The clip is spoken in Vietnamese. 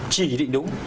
chỉ định đúng